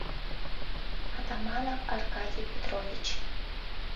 — Атаманов Аркадий Петрович.